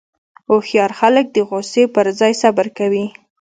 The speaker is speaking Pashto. هوښیار خلک د غوسې پر ځای صبر کوي.